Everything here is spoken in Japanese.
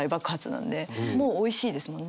なんでもうおいしいですもんね。